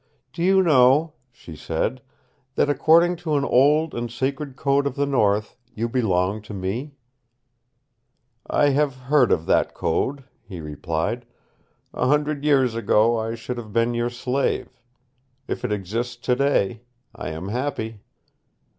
"Do you know," she said, "that according to an old and sacred code of the North you belong to me?" "I have heard of that code," he replied. "A hundred years ago I should have been your slave. If it exists today, I am happy."